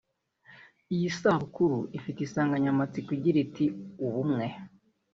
Iyi sabukuru ifite insanganyamatsiko igira iti “Ubumwe